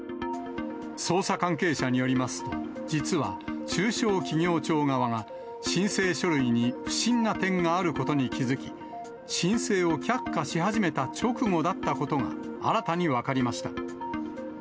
捜査関係者によりますと、実は中小企業庁側が、申請書類に不審な点があることに気付き、申請を却下し始めた直後だったことが、新たに分かりました。